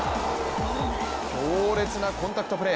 強烈なコンタクトプレー。